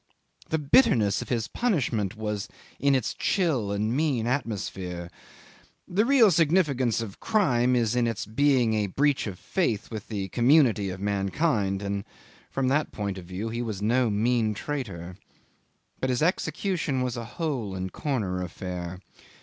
The bitterness of his punishment was in its chill and mean atmosphere. The real significance of crime is in its being a breach of faith with the community of mankind, and from that point of view he was no mean traitor, but his execution was a hole and corner affair.